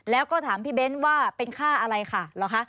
แล้วก็ถามพี่เบ้นว่าเป็นค่าอะไรค่ะเหรอคะ